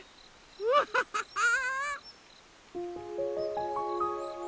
ワハハハー！